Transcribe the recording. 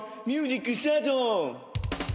ミュージックスタート。